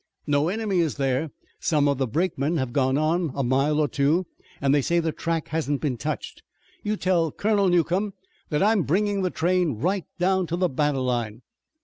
"No enemy is there. Some of the brakemen have gone on a mile or two and they say the track hasn't been touched. You tell Colonel Newcomb that I'm bringing the train right down to the battle line."